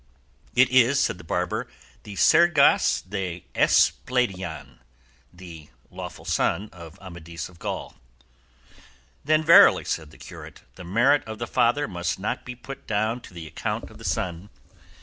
"It is," said the barber, "the 'Sergas de Esplandian,' the lawful son of Amadis of Gaul." "Then verily," said the curate, "the merit of the father must not be put down to the account of the son.